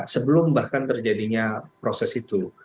sebelum bahkan terjadinya proses itu